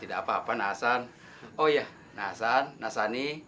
enggak saya yang kekenyangan